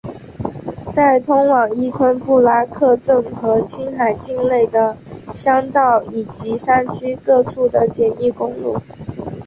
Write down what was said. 有通往依吞布拉克镇和青海境内的乡道以及山区各处的简易公路。